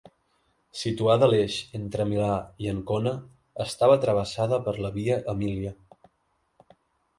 Situada a l'eix entre Milà i Ancona, estava travessada per la Via Emília.